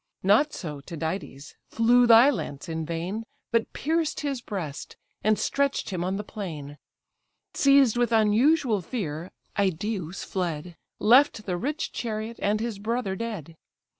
Not so, Tydides, flew thy lance in vain, But pierced his breast, and stretch'd him on the plain. Seized with unusual fear, Idæus fled, Left the rich chariot, and his brother dead.